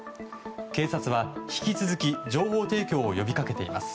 警察は引き続き情報提供を呼びかけています。